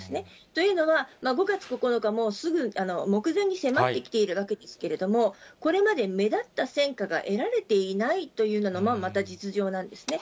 というのは、５月９日、もうすぐ目前に迫ってきているわけですけれども、これまで目立った戦果が得られていないというのがまた実情なんですね。